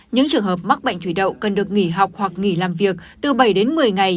những trường hợp mắc bệnh thủy đậu cần được nghỉ học hoặc nghỉ làm việc từ bảy đến một mươi ngày